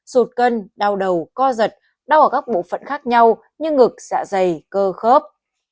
rụt cân đau đầu co giật đau ở các bộ phận khác nhau như ngực dạ dày cơ khớp